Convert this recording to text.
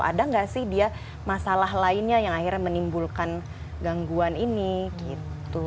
ada nggak sih dia masalah lainnya yang akhirnya menimbulkan gangguan ini gitu